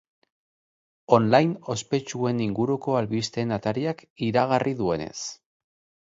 Online ospetsuen inguruko albisteen atariak iragarri duenez.